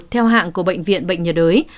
theo hạng của bệnh viện bệnh nhiệt đới